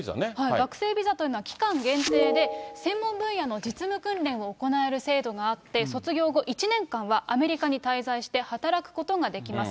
学生ビザというのは期間限定で、専門分野の実務訓練を行える制度があって、卒業後１年間はアメリカに滞在して働くことができます。